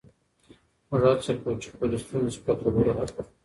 موږ هڅه کوو چې خپلې ستونزې په خبرو حل کړو.